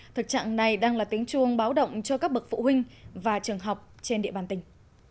thực trạng này đang là tiếng chuông báo động cho các bậc phụ huynh và trường học trên địa bàn tỉnh